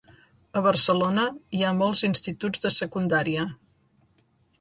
A Barcelona hi ha molts instituts de secundària.